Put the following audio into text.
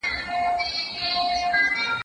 زه پرون د کتابتون پاکوالی وکړ!.